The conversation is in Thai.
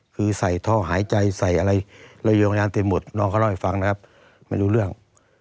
คือใส่ท่อหายใจใส่อะไรระยงยานเต็มหมดน้องเขาเล่าให้ฟังนะครับไม่รู้เรื่อง